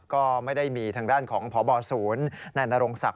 ก็ไม่ได้มีทางด้านของพบศูนย์นายนรงศักดิ